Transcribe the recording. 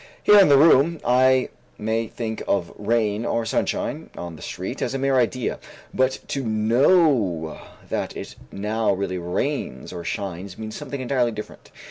Here in the room I may think of rain or sunshine on the street as a mere idea, but to know that it now really rains or shines means something entirely different.